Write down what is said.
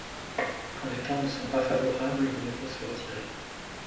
Quand les temps ne sont pas favorables, mieux vaut se retirer.